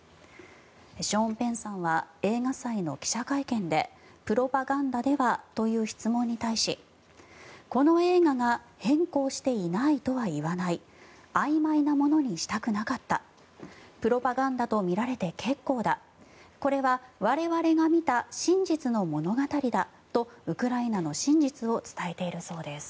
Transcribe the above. ショーン・ペンさんは映画祭の記者会見でプロパガンダでは？という質問に対しこの映画が偏向していないとは言わないあいまいなものにしたくなかったプロパガンダと見られて結構だこれは我々が見た真実の物語だとウクライナの真実を伝えているそうです。